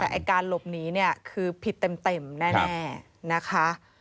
แต่การหลบหนีเนี่ยคือผิดเต็มแน่นะคะ